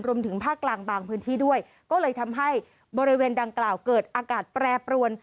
รวมถึงภาคกลางบางพื้นที่ด้วยก็เลยทำให้บริเวณดังกล่าวเกิดอากาศแปรปรวน